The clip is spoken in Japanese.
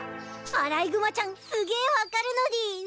アライグマちゃんすげい分かるのでぃす。